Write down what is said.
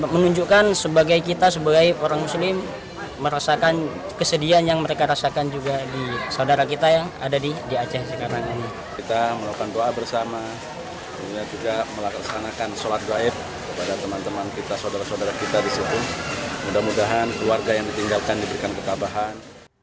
pembacaan tahlil rencananya digelar selama tujuh hari ke depan